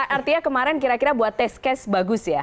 artinya kemarin kira kira buat test case bagus ya